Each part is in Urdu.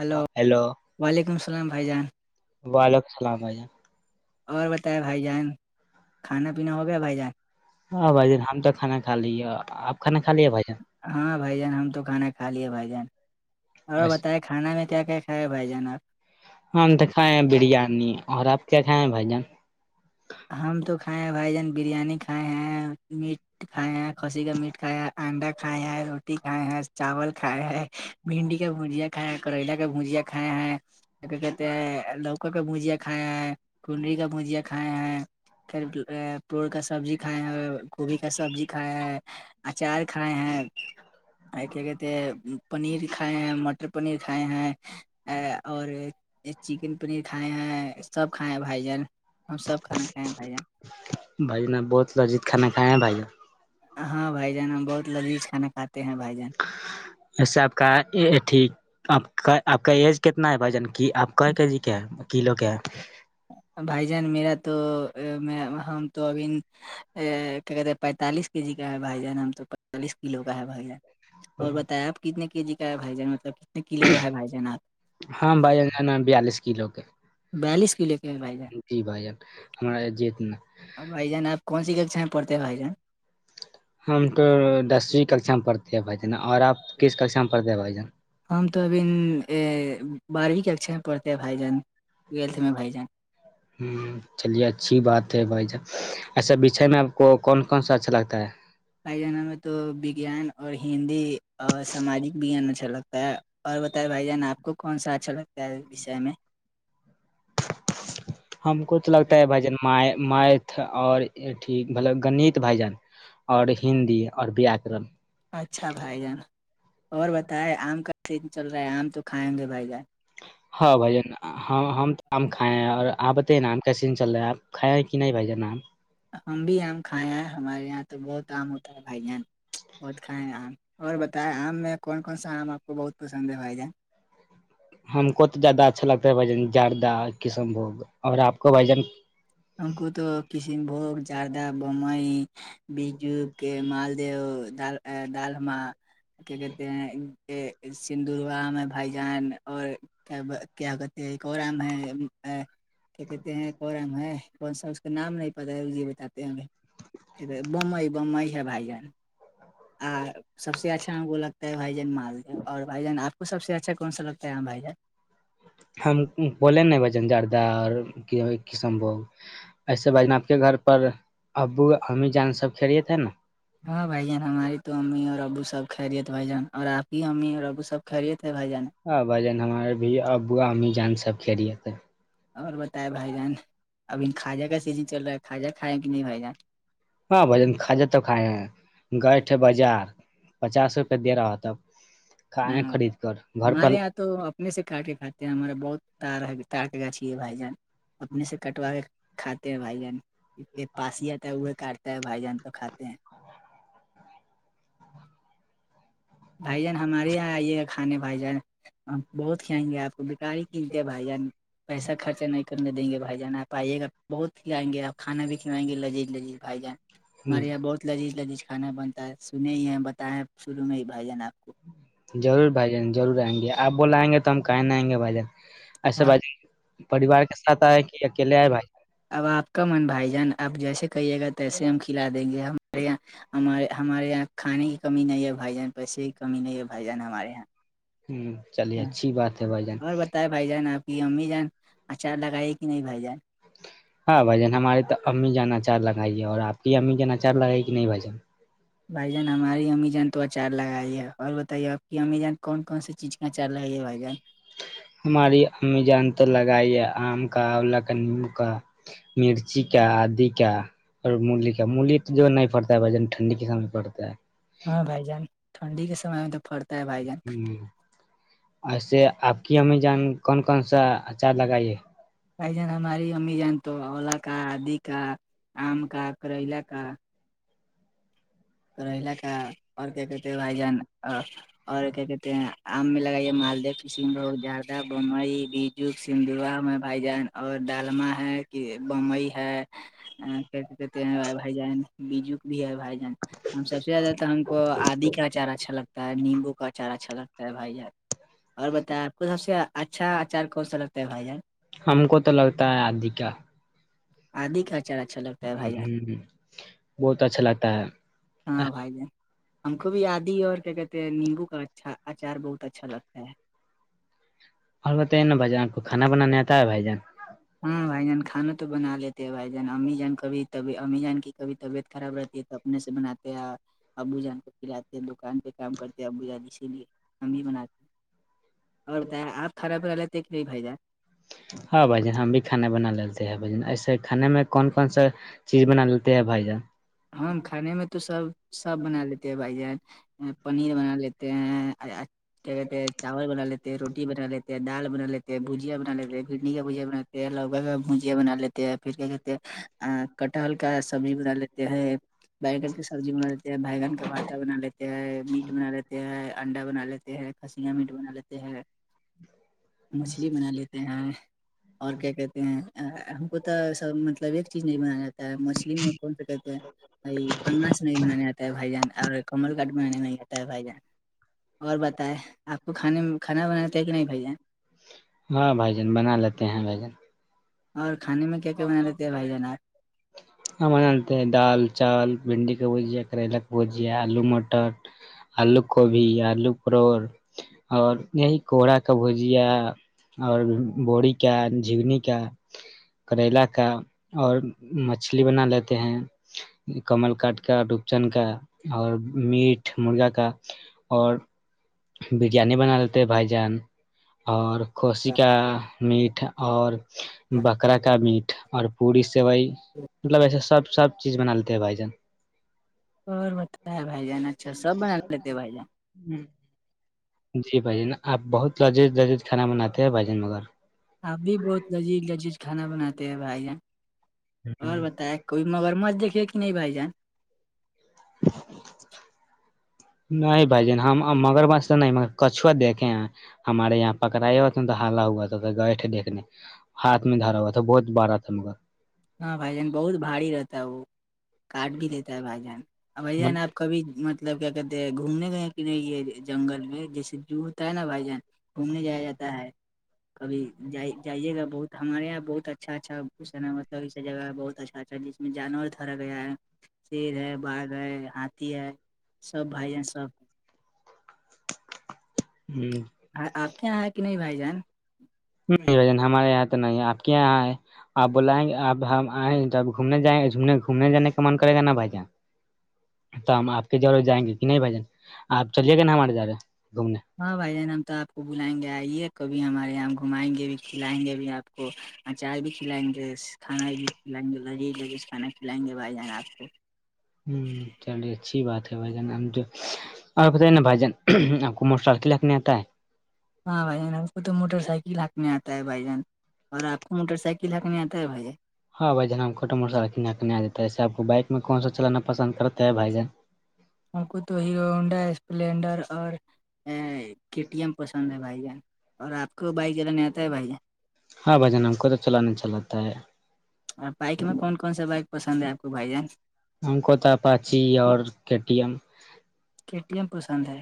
ہلو ہیلو وعلیکم السلام بھائی جان وعلیکم السلام بھیا اور بتائے بھائی جان کھانا پینا ہو گیا بھائی جان ہاں بھائی جان ہم تو کھانا کھا لی آپ کھانا کھا لے بھائی جان ہاں بھائی جان ہم تو کھانا کھا لیے بھائی جان اور جان بتائیں کھانا میں کیا کیا کھائے ہے بھائی جان آپ ہماں تو کھائے ہیں بریانی اور آپ کیا کھائے ہیں بھائی جن ہم تو کھائے ہیں بھائی جان بریانی کھائے ہیں میٹ کھائے ہیں کسی کا میٹ کھا انڈا کھایا ہے روٹی کھائے ہیں چاول کھاائے ہے بھنڈی کا بھجیا کھائے ہیں کریلا کا بھجیا کھائے ہیں کیا کہتے ہیں لوکا کا مجیا کھایا ہیں کنڈری کا مجیا کھائے ہیں پھر پڑ کا سبزی کھایا ہے گوبھی کا سبزی کھاائے ہے اچار کھائے ہیں آ کیا کہتے پنیر کھائے ہیں مٹر پنیر کھائے ہیں اور چکن پنیر کھائے ہیں سب کھائے ہیں بھائی جان ہم سب کھانا کھائے ہیں بھائییا بھائی نے بہت لذیت کانا کھیں ہیں بھائییا ہاں بھائی جان ہم بہت لذیذ کھا کھاتے ہیں بھائی جان ایسا آپ کہ ٹھیک آپ کا آپ کا ایج کتنا ہے بھائی جان کی آپ کا کے جی کے ہیں کلو کے ہیں بھائی جان میرا تو میں ہم تو ابھی کہ کہتے پینتالیس کے جی کا ہے با جانیں ہم تو پینتالیس کلو کا ہے با جان اور بتیا آپ کتنے کے جی کا بھائی جان مطلب کتنے کلو کا ہے بھائی جان آپ ہاں بھائیگانہ بیالیس کلو کے بیالیس لے کے بائی جی بھائی ہمارا یہ جیت نا اب بھائیان آپ کون سی ککا پڑتے ہیں بھائی جان ہم تو دسویں ککشا میں پڑتے ہیں بھائی جان اور آپ کس ککشا میں پڑتے ہیں بھائی جان ہم تو ابھی بارہویں کے اکھر میں پڑھتے ہیں بھائی جان ٹویلتھ میں بھائی جان چلیے اچھی بات ہے بھائی جان ایسا بیچھے میں آپ کو کون کون سا اچھا لگتا ہے پھائی جانہ میں تو وگیان اور ہندی اور سماجک وگیان اچھا لگتا ہے اور بتے بھائی جان آپ کو کون سا اچھا لگتا ہے اس وشے میں ہم کو تو لگتا ہے بھجن مت اورٹھ ملب گنیت بھجن اور ہندی اور واکرن اچھا بھائی جان اور بتائے آم کا سین چل رہا ہے آم تو کھائیں گے بھائی جان ہاں بھائی جن ہاں ہم تو آ ہم کائیں ہیں آ اور آپ بتے ہیں نام کیسن چل رہا ہے آپ کائیں ہیں کہ نہیں بھ جا نام ہم بھی آم کھائے ہیں ہمارے یہاں تو بہت آم ہوتا ہے بھائی جان بہت کھائے ہیں آم اور بتائیں آم میں کون کون سا آم آپ کو بہت پسند ہے بھائی جان ہم کو تو زیادہ اچھا لگتا ہے بھن جیادہ کشن بھگ اور آپ کو بھجن انک تو کسن بھوگ جرد بومئی بیجو کے مالدیہال دالا کی کہتے ہیں سندورگا میں بھائی جان اور کیا کیا کہتے ہیں کوم ہے کیا کہتے ہیں کوم ہے سب کے نام نہیں پت ہے جی بات ہیںمئی بمئی ہے بھائی جان آ سب سے اچھا وہ لگتا ہے بھائی جان مارج اور بھائی جان آپ کو سب سے اچھا کون لگتا ہے ہیںاں بھائی ہم بولیں نہیں بھجن زردہ اور کسم بوگ ایسے بجن آپ کے گھر پر ابو امی جان سب کھیلیے تھے نا ہاں بھائی جان ہماری تو امی اور ابو سب خہریےت بھ جان اور آپ کی امی اور ابو سب سب خیریے تھے بھائی جان ہاں بجن ہمار بھی ابو امی جان سب کے لییے تھ اور بتائےیں بھائی جان ابھی کھاجہ کا سیزن چل رہا ہے کھجہ کھائےیں کہ نہیں بھائی جان ہاں بجن کھ جا تو کھائے ہیں گئےٹے بازار پچاس روپئے دے رہا ہوتا ہاں ہمارے یہاں تو اپنے سے کاٹ کے کھاتے ہیں ہمارا بہتار تار کے گاچھی ہے بھائی جان اپنے سے کاٹ کٹوا کے کھاتے ہیں بھائی جان پاسیاتا ہے وہ کاٹتا ہے بھائی جان تو کھاتے ہیں بھائی جان ہمارے یہاں آئیے گا کھانے بھائی جان بہت کھائیں گے آپ کو بکاری قمتی ہے بھائی جان پیسہ خرچہ نہیں کرنے دیں گے بھائی جان آپ آئیے گا بہت کھلائیں گے آپ کانا بھی کھلائیں گے لذیذ لذیذ بھائی جان ہمارے یہاں بہت لذیذ لذیذ کھا بن سنے ہی ہیں بتائےیں شروع میں ہی بھائی جان آپ کو ضرور بھائی جان ضرور آئیں گے آپ بلا آئیں گے تو ہم کہیں نہیں آئ گے بھائی جان ایسے ہاں بھائی پریوار کے سھ آئے کہ اکیلے آئے بھائی اب آپ کا من بھائی جان اب جیسے کہیے گا تیسے ہم کھلا دیں گے ہمارے یہاں ہمارے ہمارے یہاں کھانے کی کمی نہیں ہے بائی جان پیسے کی کمی نہیں ہے بھائی جان ہمارے یہاں ہوں ہاں اور بتائے بھائی جان آپ کی امی جان اچھا لگائی کہ نہیں بھائی جان ہاں بھائین ہمارے تو امی جاناچار لگائی ہے اور آپ کی امی جانناچار لگائی کہ نہیں بھن بھائی جان ہماری امیزون تو اچار لگاائی ہے اور بتائیے آپ کی امیزان کون کون سی چیز کا اچار لگائی ہے بھائی جان ہماری ای جان تو لگائی آم کا اولا کا نیم کا مرچی کا آدی کا اور ملی کا ملی تو جو ہے نہیں پڑتا ہے بھا جن ٹھنڈی کے سمے پڑتا ہے ہاں بھائی جان ٹھنڈی کے سمے میں تو پرتا ہے بھائی جان ہ ایسے آپ کی امی جان کون کون سا اچار لگائیے بھائی جان ہماری امی جان تو اولا کا آدی کا آم کا کریلا کا کریلا کا اور کیا کہتے بھائی جان اور کیا کہتے ہیں آم میں لگای مالد کشن بھوگ جاردہ بمبئی بیج جگ سندا میں بھائی جان اور ڈالما ہے کہ بمبئی ہے ہاں بائی بھائی جان بیجو بھی ہے بھائی جان ہم سب سے زیادہ تو ہم کو آدی کا چارا اچھا لگ ہے نیمبو کا اچار اچھا لگتا ہے بھائی جان اور بتائ آپ کو سب سے اچھا اچار کون سا لگتا ہے بھائی جان ہم کو تو لگتا ہے آدی کیا آدی کا اچار اچھا لگتا ہے بھائی جان ہ بہت اچھا لگتا ہے ہاں بھائی جان ہم کو بھی یاد ہی اور کیا کہتے نمبو کا اچھا اچار بہت اچھا لگتا ہے اور بتائیے نا بھ جن آ کو کانا بنانے آتا ہے بھائی جان ہاں بھائی جان کھانا تو بنا لیتے ہیں بھائی جان امی جان کبب امی جان کی کبھی طبیعت خراب رہتی اپنے سے بناتے ہیں ابو جان کو کھلاتے ہیں دکان پہ کام کرتے ہیں ابو جان اسی لیے ہم بھی بناتے ہیں اور بتاے آپ خراب رہے تو کے لیے بھیھ جات ہاں بھائی جن ہم بھی کھانا بنا لیتے ہیں بھائی جن ایسے کھانے میں کون کون سا چیز بنا لیتے ہیں بھائی جان ہم کھانے میں تو سب سب بنا لیتے ہیں بھائی جان پنیر بنا لیتے ہیں کیا کہتے ہیں چاول بنا لیتے ہیں روٹی بنا لیتے دال بنا لیتے بھجیا بنا لیتے بڈی کاھجیا بنااتے لوکا کا بھجیا بنا لیتے پھر کیا کہتے کٹہل کا سبزی بنا لیتے ہیں بیگن کی سبزی بنا لیتے ہیں بینگن کا بھاٹا بنا لیتے میٹ بنا لیتے ہیں انڈا بنا لیتے ہیں کھسیا میٹ بنا لیتے ہیں مچھلی بنا لیتے ہیں اور کیا کہتے ہیں ہم کو تو سب مطلب ایک چیز نہیں بنایا جاتا ہے مچھلی میں کون سا کہ پس نہیں بنانے آتا ہے بھائی جان اور کمل کاٹ بنانے نہیں آتا ہے بھائی جان اور بتائیں آپ کو کھانے میں کھانا بنانا ہے کہ نہیں بھیا ہاں بھجن بنا لیتے ہیں بھائین اور کھانے میں کیا کیا بنا لیتے ہیں بھائی جان آپ ہاں ملتے ہیں دال چاول بھنڈی کا بجیا کرل کا بھجیا آلو مٹر آلو کوبھی آلو پروور اور یہی کوہرا کا بھجیا اور بوروری کا جگنی کا کریلا کا اور مچھلی بنا لیتے ہیں کمل کاٹ کا ڈوبچن کا اور میٹ مرغا کا اور بریانی بنا لیتے بھائی جان اور کھسی کا میٹ اور بکرا کا میٹ اور پوڑی سوئی مطلب ایسے سب سب چیز بنا لیتے ہیں بھائی جان اور بت ہے بھائی جان اچھا سب بنا لیتے بھائی جان ہی [unintelligible] جی بھائی جن آپ بہت لذیذ لذذ کھانا بناتے ہیں بھائی جن مگر اپ بھی بہت لذیذ لذیذ کھانا بناتے ہیں بھائی جان اور بتائ کوئی مگرمچ دیکے کہ نہیں بھائی جان نہیں بھائی جن ہم مگر بس تو نہیں کچھوآ دیکھے ہیں ہمارے یہاں پکڑاائے ہو تھا تو حالا ہوا تھا گئےٹے دیکھنے ہاتھ میں دھرا ہوا تھا بہت بارا تھا مگر ہاں بھائی جان بہت بھاری رہتا ہے وہ کارڈ بھی لیتا ہے بھائی جان اور بھائی جان آپ کبھی مطلب کیا کہتے ہیں گھومنے گئے ہیں کہ نہیں یہ جنگل میں جیسے جو ہوتا ہے نا بھائی جان گھومنے جایا جاتا ہے کبھی جائی جائیے گا بہت ہمارے یہاں بہت اچھا اچھاس نا جگہ ہے بہت اچھا اچھا جس میں جانور تھرا گیا ہے شیر ہے باغ ہاتاتھی ہے سب بھائیین سب ہوں اں آپتےے یہ کہ نہیں بھائی جان ہمارے یہاں تو نہیں آپ کے یہاں آ آپ بلائیں گے آپ ہم آئیں جب گھومنے جائومنے گھومنے جان کا من کرے گا بھ جں تو ہم آپ کی جہ جائیں گے کہ نہیں بھائی جان آپ چلیے گا نا ہمارے جگہ گھومنے ہاں بھائی جان ہم تو آپ کو بلائیں گے آئیے کبھی ہمارے یہاں گھمائیں گے بھی کھلائیں گے بھی آپ آپ کو اچار بھی کھلائیں گے کھانا بھی کھلائیں گے لغری لگ کھانا کھلائیں گے بھائی جان آپ کو ہوں چلیے اچھی بات ہے بھائی جان جو اور بتائیے نا بھائی جن آپ کو موٹر سائک لکھنے آتا ہے ہاں بھائی جان ہم کو تو موٹر سائیکل ہق میں آتا ہے بھائی جان اور آپ کو موٹر سائیکل ک لکن آتا ہے بھائیے ہاں بھائی ج ہمپھٹو موٹر سائلننا کےنے آ جات ہے ایس آپ کو بائک میں کون س چلانا پسند کرتا ہے بھائی جان ان کو تو ہیرو ہونڈا اسپلینڈر اور ٹی ایم پسند ہے بھائی جان اور آپ کو بائک جیاد نہیں آتا ہے بھائی جان ہاں بھائیان ہم کو تو چلان نہیں چلاتا ہے آ بائک میں کون کون سا بائک پسند ہے آپ کو بھائی جان ہم کوتا پاچی اور K T M K T M پسند ہے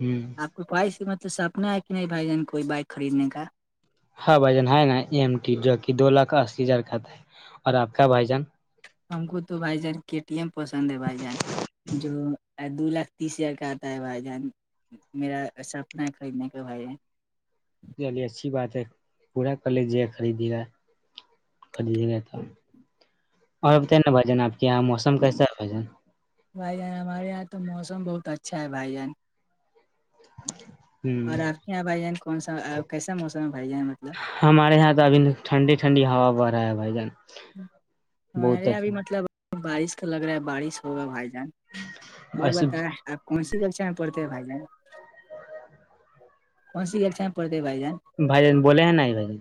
ہوں آپ کوپائس کا مطلب سپنا ہے کہ نہیں بھائی جن کوئی بائک خریدنے کا ہاں بھائی جان ہے نا ایم ٹی جو کہ دو لاکھ اسی ہزار کا تھا اور آپ کا بھائی جان ہم کو تو بھائی جان کے ٹی ایم پسند ہے بھائی جان جو دو لاکھ تیس ہزار کا آتا ہے بھائی جان میرا سپنا خریدنے کا بھائی جان چلیے اچھی بات ہے پورا کر لیجے خریدی گا خرییے گئے تھا اور بتائی نا بھجان آپ کے یہاں موسم کیسا ہے بھجان بھائی جان ہمارے یہاں تو موسم بہت اچھا ہے بھائی جان جان اور ہ آپ کے یہاں بھائی جان کون سا کیسا موسم بھائی جان مطلب ہمارے یہاں تو ابھی ٹھنڈی ٹھنڈی ہوا بڑ رہا ہے بھائی جان ہمارے بہت یہاںب بھی اچھا مطلب بارش کا لگ رہا ہے بارش ہوگا بھائی جان اور بس بتیں آپ کون سی کبچا میں پڑھتے ہیں بھائی جان کون سی گچا پڑتے ہے بھائی جان بھائی ج بولے ہیں نہیں بائی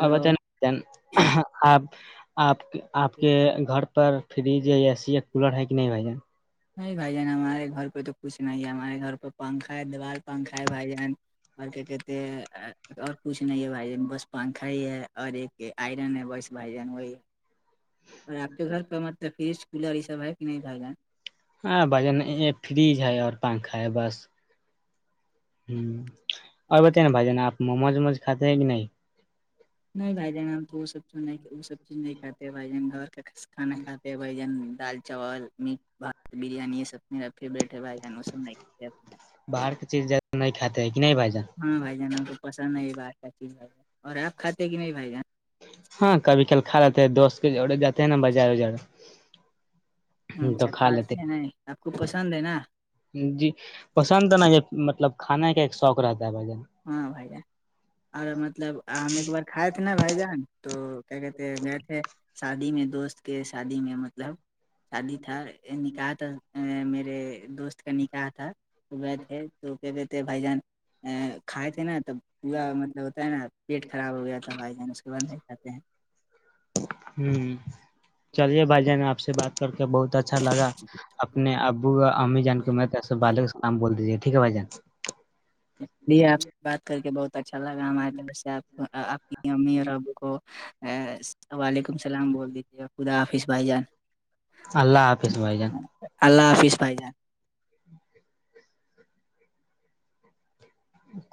اور بت آپ آپ آپ کے گھر پر فریج اے سی یا کولر ہے کہ نہیں بھائی جان نہیں بھائی جان ہمارے گھر پہ تو کچھ نہیں ہے ہمارے گھر پہ پنکھا ہے دیوار پنکھا ہے بھائی جان اور کیا کہتے اور کچھ نہیں ہے بھائی ج بس پنکھا ہی ہے اور ایک آئرن ہے بس بھ جان وہ اور آپ کے گھر پہ مطلب فریج کولر یہ سب ہے کہ نہیں ب گا ہاں بجن یہ فریج ہے اور پنکھا ہے بس ہ اور بت نا بھائی جانا آپ م موج مج کھاتے ہیں کہ نہیں نہیں بھائی جان ہم تو وہ سب سب چیز نہیں کھاتے بھائی جان گھر کا کانا کھاتے بھجن دال چاول میٹ بھات بریانی یہ سب میرا فیوریٹ ہے بھ وہ سب میں [unintelligible] باہر کی چیز نہیں کات ہے کہ نہیں بھائی جان ہاں بھائی جان ہم کو پسند ہے بات کا چیز بھائی ج اور آپ کھاتے کہ نہیں بھائی جان ہاں کبھی کل کھا رہاتتے ہے دوست کے جوڑے جاتے ہیں نا بازار وار اچھا کھاتی ہیں نہیں آپ کو پسند ہے نا جی پسند ہے نا یہ مطلب کھانے کا ایک شوق رہتا ہے بھجن ہاں بھ جان اور مطلب ہم ایک بار کھ تھ ن بھ جان تو کیا کہتے گئے تھے شادی میں دوست کے شادی میں مطلب شادی تھا نکاح تھا میرے دوست کا نکاح تھا صبح تھے تو کہ تھے بھ جان ا کھائے تھے نا تب پا مطلب ہے نا پیٹ خراب ہو گیا تھا بھائی جان اس کے بعد نہیں کھاتے ہیں ہوں چلیے بھائی جان آپ سے بات کر کے بہت اچھا لگا اپنے ابو امی جان کیسے بالک نام بول دیجیے ٹھیک ہے بھائی جان ج آپ سے بات کر کے بہت اچھا لگا آپ آپ کی امی اور ابو کو وعلیکم السلام بول دیجیے خدا حافظ بھائی جان اللہ حافظ بھائی جان اللہ حافظ پائ جے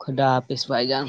خڈا پس بائی جان